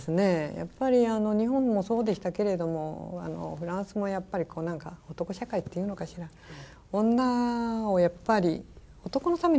やっぱり日本もそうでしたけれどもフランスもやっぱり何か男社会っていうのかしら女を男のためにやっぱり服着てましたよね。